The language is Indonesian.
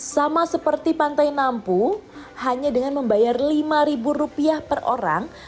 sama seperti pantai nampu hanya dengan membayar lima rupiah per orang